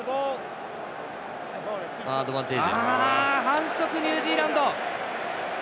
反則、ニュージーランド。